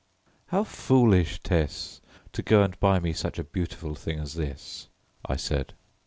"How foolish, Tess, to go and buy me such a beautiful thing as this," I said.